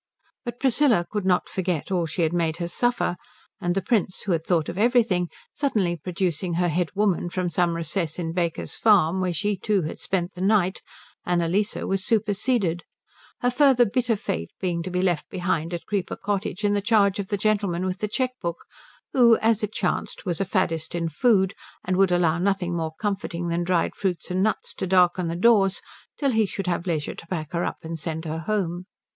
But Priscilla could not forget all she had made her suffer; and the Prince, who had thought of everything, suddenly producing her head woman from some recess in Baker's Farm, where she too had spent the night, Annalise was superseded, her further bitter fate being to be left behind at Creeper Cottage in the charge of the gentleman with the cheque book who as it chanced was a faddist in food and would allow nothing more comforting than dried fruits and nuts to darken the doors till he should have leisure to pack her up and send her home.